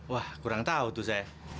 wah kurang tahu tuh saya